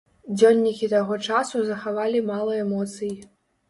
Дзённікі таго часу захавалі мала эмоцый.